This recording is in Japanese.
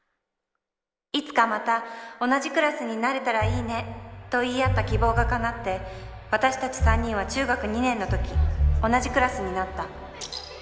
いつかまた同じクラスになれたら良いねと言い合った希望が叶って私たち三人は中学２年の時同じクラスになった。